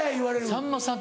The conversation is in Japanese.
さんまさん